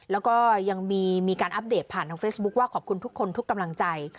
แล้วก็ยังมีการอัปเดตผ่านทางเฟซบุ๊คว่าขอบคุณทุกคนทุกกำลังใจ